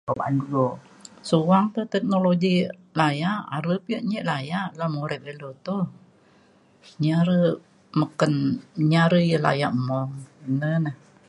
kok ba’an kulo suang pa teknologi layak are pe yak nyi layak lam murip ilu toh. nyi are meken nyi are yak layak mung na na